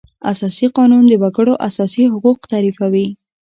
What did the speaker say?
اساسي قانون د وکړو اساسي حقوق تعریفوي.